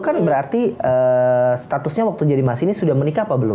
jadi berarti statusnya waktu jadi mas ini sudah menikah apa belum